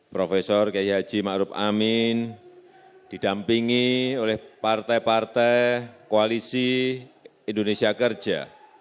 prof k h ma'ruf amin didampingi oleh partai partai koalisi indonesia kerja